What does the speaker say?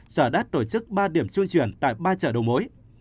chợ đã tổ chức ba điểm chuyên chuyển tại ba chợ đầu mối